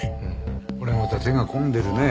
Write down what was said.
これまた手が込んでるね。